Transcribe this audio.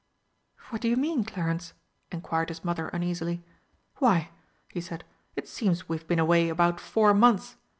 "What do you mean, Clarence?" inquired his mother uneasily. "Why," he said, "it seems we've been away about four months.